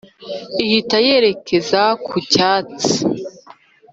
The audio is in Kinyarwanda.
ihita yerekeza ku cyatsi: